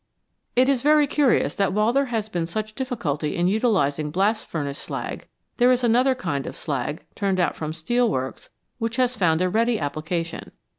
It is very curious that while there has been such difficulty in utilising blast furnace slag, there is another kind of slag, turned out from steelworks, which has found a ready application.